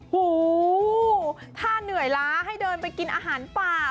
หูถ้าเหนื่อยล้าให้เดินไปกินอาหารป่า